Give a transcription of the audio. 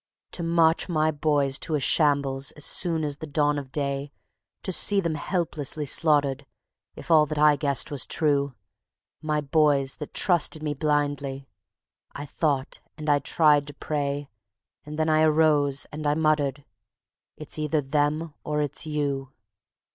To march my Boys to a shambles as soon as the dawn of day; To see them helplessly slaughtered, if all that I guessed was true; My Boys that trusted me blindly, I thought and I tried to pray, And then I arose and I muttered: "It's either them or it's you."